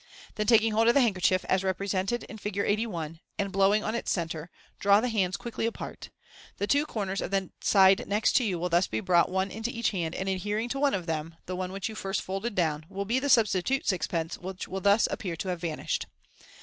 Then taking hold of the handkerchief, as represented in Fig. 8 1, and blowing on its centre, draw the hands quickly apart. The two corners of the" side next to you will thus be brought one into each hand, and adhering to one of them (the one which you first folded down), will be the substitute sixpence, which will thus appear to have vanished.